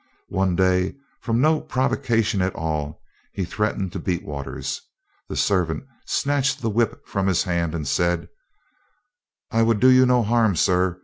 One day, from no provocation at all, he threatened to beat Waters. The servant snatched the whip from his hand and said: "I would do you no harm, sir.